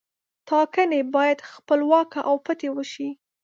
ټاکنې باید خپلواکه او پټې وشي.